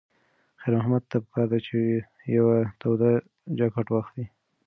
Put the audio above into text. خیر محمد ته پکار ده چې یوه توده جاکټ واخلي.